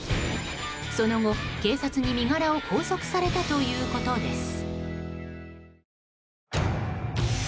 その後、警察に身柄を拘束されたということです。